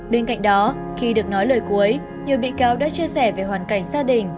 bên cạnh đó khi được nói lời cuối nhiều bị cáo đã chia sẻ về hoàn cảnh gia đình